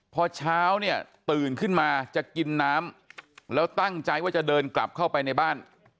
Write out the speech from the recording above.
พอเช้าเนี่ยตื่นขึ้นมาจะกินน้ำแล้วตั้งใจว่าจะเดินกลับเข้าไปในบ้าน